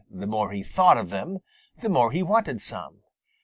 The more he thought of them, the more he wanted some.